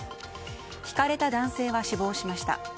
ひかれた男性は死亡しました。